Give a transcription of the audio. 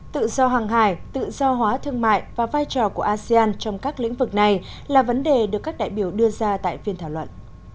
tự do hàng hải tự do hóa thương mại và vai trò của asean trong các lĩnh vực này là vấn đề được các đại biểu đưa ra tại phiên thảo luận